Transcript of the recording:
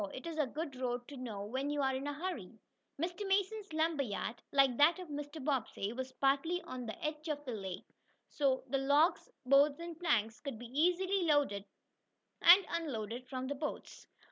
It is a good road to know when you are in a hurry." Mr. Mason's lumber yard, like that of Mr. Bobbsey, was partly on the edge of the lake, so the logs, boards and planks could be easily loaded and unloaded from boats.